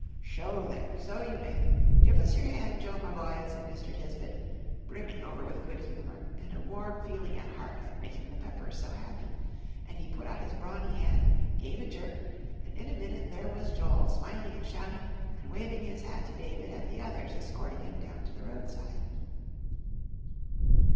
"Sho, there! So you may. Give us your hand, Joe, my boy," said Mr. Tisbett, brimming over with good humor, and a warm feeling at heart at making the Peppers so happy, and he put out his brawny hand, gave a jerk, and in a minute there was Joel smiling and shouting and waving his hat to David and the others escorting him down to the roadside.